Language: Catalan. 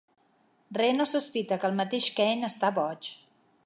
Reno sospita que el mateix Kane està boig.